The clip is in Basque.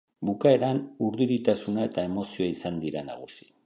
Bukaeran urduritasuna eta emozioa izan dira nagusi.